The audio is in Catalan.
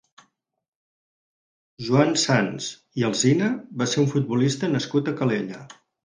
Joan Sans i Alsina va ser un futbolista nascut a Calella.